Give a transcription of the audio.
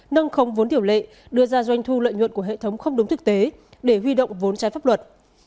nâng không vốn tiểu lệ đưa ra doanh thu lợi nhuận của hệ thống không đúng thực tế để huy động vốn trái pháp luật